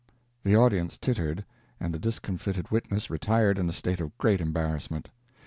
The audience tittered, and the discomfited witness retired in a state of great embarrassment.